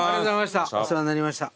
お世話になりました。